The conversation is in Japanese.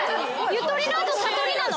ゆとりの後さとりなの？